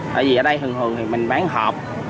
tại vì ở đây thường hường thì mình bán hộp